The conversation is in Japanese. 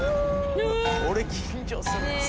これ緊張するな。